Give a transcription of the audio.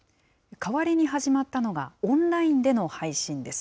代わりに始まったのが、オンラインでの配信です。